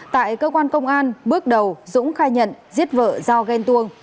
tại cơ quan công an bước đầu dũng khai nhận giết vợ do ghen tuông